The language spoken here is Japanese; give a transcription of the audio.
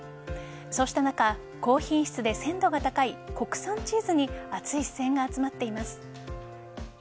そうした中高品質で鮮度が高い国産チーズに熱い視線が集まっています。